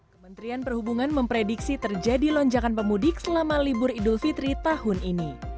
kementerian perhubungan memprediksi terjadi lonjakan pemudik selama libur idul fitri tahun ini